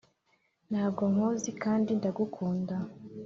ntabwo nkuzi kandi ndagukunda.